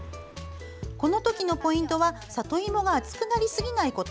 このときのポイントはさといもが厚くなりすぎないこと。